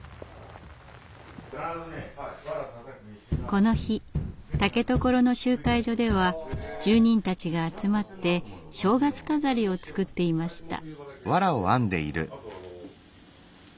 この日竹所の集会所では住人たちが集まって正月飾りを作っていました。